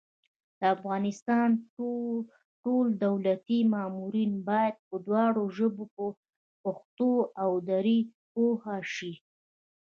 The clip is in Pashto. د افغانستان ټول دولتي مامورین بايد په دواړو ژبو پښتو او دري پوه شي